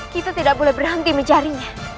kita tidak boleh berhenti mencarinya